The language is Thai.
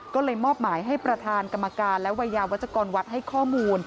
ก็เลยมอบหมายให้ประธานกรรมการและวัยยาวัชกรวัดให้ข้อมูล